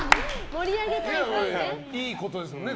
いいことですよね